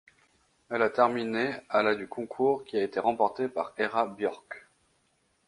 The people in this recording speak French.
Elle a terminé à la du concours qui a été remporté par Hera Björk.